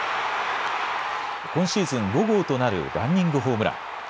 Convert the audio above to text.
今シーズン５号となるランニングホームラン。